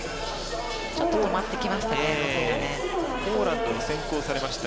ちょっと埋まってきました。